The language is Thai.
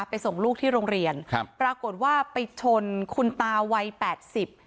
ส่งลูกที่โรงเรียนครับปรากฏว่าไปชนคุณตาวัยแปดสิบ